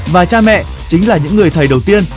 và cha mẹ chính là những người thầy đầu tiên